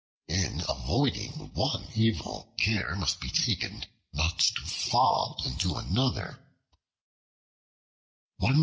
In avoiding one evil, care must be taken not to fall into another.